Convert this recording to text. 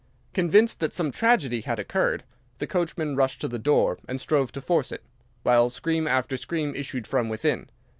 Convinced that some tragedy had occurred, the coachman rushed to the door and strove to force it, while scream after scream issued from within.